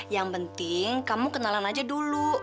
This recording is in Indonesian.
yang penting kamu kenalan aja dulu